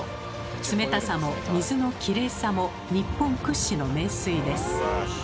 冷たさも水のキレイさも日本屈指の名水です。